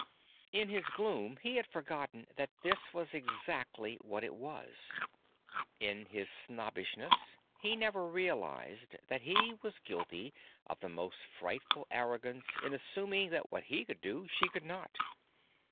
In his gloom he had forgotten that this was exactly what it was. In his snobbishness he never realized that he was guilty of the most frightful arrogance in assuming that what he could do, she could not.